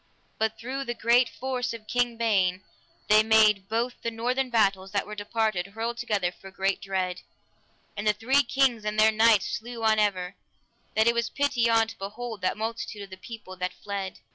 But through the great force of King Ban they made both the northern battles that were departed hurtled together for great dread; and the three kings and their knights slew on ever, that it was pity on to behold that multitude of the people that fled.